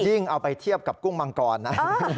เอาไปเทียบกับกุ้งมังกรนะ